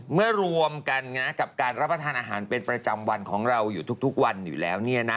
รวมกันกับการรับประทานอาหารเป็นประจำวันของเราอยู่ทุกวันอยู่แล้ว